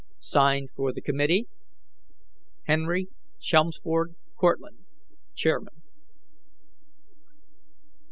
[Signed] "For the Committee: "HENRY CHELMSFORD CORTLANDT, "Chairman."